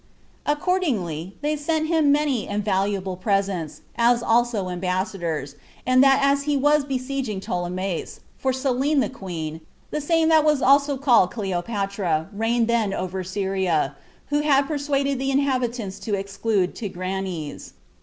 Accordingly, they sent him many and very valuable presents, as also ambassadors, and that as he was besieging Ptolemais; for Selene the queen, the same that was also called Cleopatra, ruled then over Syria, who had persuaded the inhabitants to exclude Tigranes.